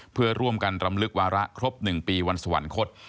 เพื่อร่วมกันรำลึกวาระครบ๑ปีวันสวรรคต